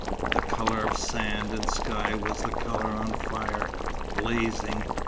The colour of sand and sky was colour on fire, blazing.